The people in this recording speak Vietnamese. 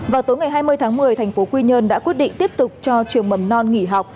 vào tối ngày hai mươi tháng một mươi thành phố quy nhơn đã quyết định tiếp tục cho trường mầm non nghỉ học